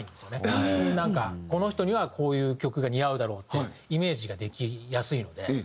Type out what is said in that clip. この人にはこういう曲が似合うだろうってイメージができやすいので。